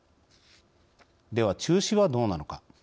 では中止はどうなのか。